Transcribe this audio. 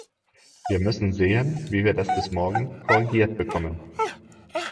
Wir müssen sehen, wie wir das bis morgen korrigiert bekommen.